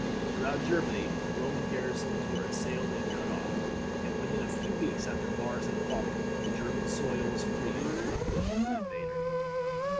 Throughout Germany the Roman garrisons were assailed and cut off; and, within a few weeks after Varus had fallen, the German soil was freed from the foot of an invader.